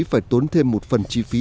phải tốn thêm một phần chi phí